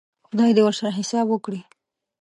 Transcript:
خدای دې ورسره حساب وکړي.